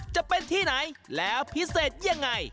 จะเป็นที่ไหนแล้วพิเศษยังไง